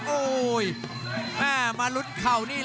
รับทราบบรรดาศักดิ์